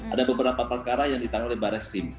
ada beberapa perkara yang ditangani oleh barreskrim